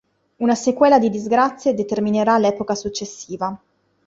Una sequela di disgrazie determinerà l'epoca successiva.